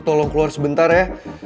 tolong keluar sebentar ya